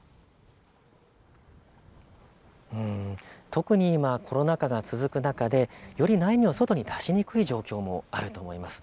特に今、コロナ禍が続く中でより内面を外に出しにくい状況もあると思います。